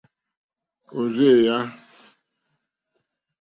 Òrzèèyá.